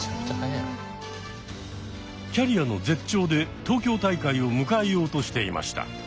キャリアの絶頂で東京大会を迎えようとしていました。